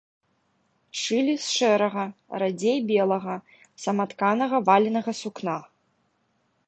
Шылі з шэрага, радзей белага, саматканага валенага сукна.